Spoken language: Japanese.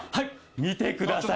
見てください